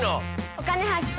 「お金発見」。